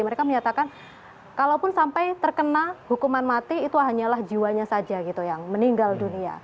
mereka menyatakan kalaupun sampai terkena hukuman mati itu hanyalah jiwanya saja gitu yang meninggal dunia